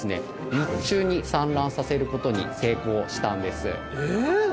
日中に産卵させることに成功したんです。